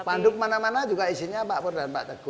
panduk mana mana juga isinya pak pur dan pak teguh